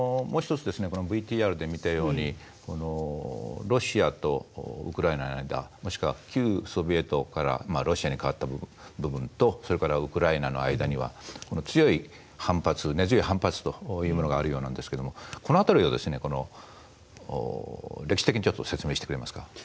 もう一つこのＶＴＲで見たようにロシアとウクライナの間もしくは旧ソビエトからロシアに変わった部分とそれからウクライナの間には強い反発根強い反発というものがあるようなんですけどもこのあたりを歴史的に説明してくれますか。